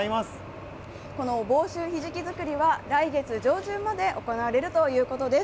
この房州ひじき作りは、来月上旬まで行われるということです。